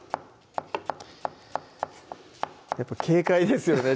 やっぱ軽快ですよね